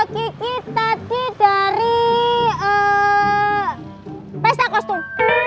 kiki tadi dari pesta kostum